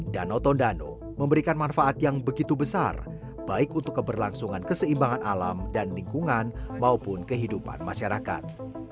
danau tondano memberikan manfaat yang begitu besar baik untuk keberlangsungan keseimbangan alam dan lingkungan maupun kehidupan masyarakat